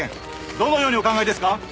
どのようにお考えですか？